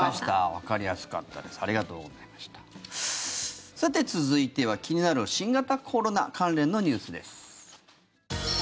さて続いては、気になる新型コロナ関連のニュースです。